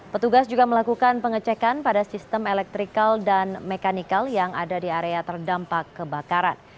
petugas juga melakukan pengecekan pada sistem elektrikal dan mekanikal yang ada di area terdampak kebakaran